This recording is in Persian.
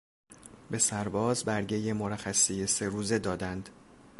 به سرباز برگهی مرخصی سه روزه دادند.